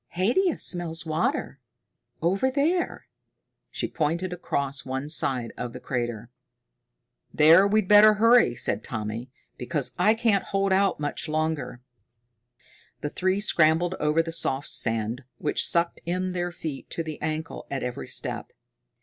"Haidia smells water over there." She pointed across one side of the crater. "There we'd better hurry," said Tommy, "because I can't hold out much longer." The three scrambled over the soft sand, which sucked in their feet to the ankle at every step.